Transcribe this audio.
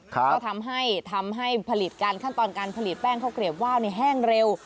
ก็ทำให้ทำให้ผลิตการขั้นตอนการผลิตแป้งข้าวเกลียบว่าวแห้งเร็ว